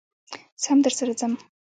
زه هم درسره ځم